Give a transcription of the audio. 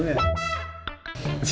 bisa dianggap pak haji